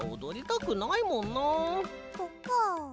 そっかあ。